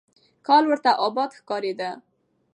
کال ورته آباد ښکارېده.